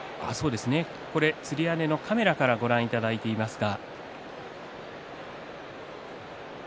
これ、つり屋根のカメラからご覧いただいていますが。